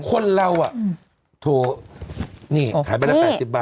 คนเราอ่ะโถนี่ขายใบละ๘๐บาท